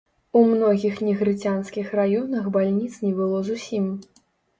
У многіх негрыцянскіх раёнах бальніц не было зусім.